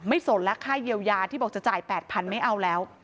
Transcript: สนและค่าเยียวยาที่บอกจะจ่าย๘๐๐ไม่เอาแล้ว